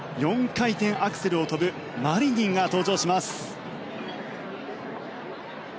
４回転アクセルを跳ぶマリニンが登場します。